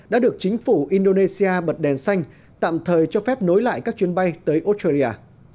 đã được chính phủ indonesia bật đèn xanh tạm thời cho phép nối lại các chuyến bay tới australia